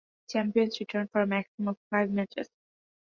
Champions return for a maximum of five matches.